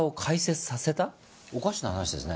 おかしな話ですね。